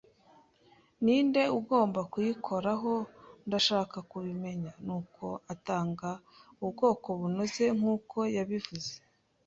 ninde ugomba kuyikoraho, ndashaka kubimenya! ” nuko atanga ubwoko bunoze nkuko yabivuze